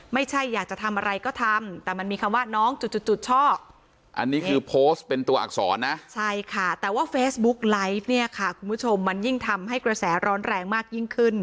ไม่ใช่อยากจะทำอะไรก็ทำแต่มันมีคำว่าน้องจุดจุดชอบอันนี้คือโพสต์เป็นตัวอักษรนะใช่ค่ะแต่ว่าเฟซบุ๊กไลฟ์เนี่ยค่ะคุณผู้ชมมันยิ่งทำให้กระแสร้อนแรงมากยิ่งขึ้น